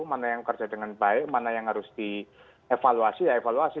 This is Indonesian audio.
mana yang kerja dengan baik mana yang harus dievaluasi ya evaluasi